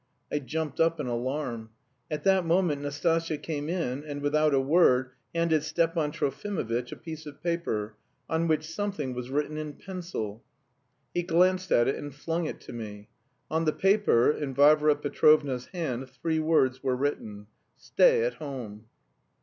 I jumped up in alarm. At that moment Nastasya came in, and, without a word, handed Stepan Trofimovitch a piece of paper, on which something was written in pencil. He glanced at it and flung it to me. On the paper, in Varvara Petrovna's hand three words were written: "Stay at home."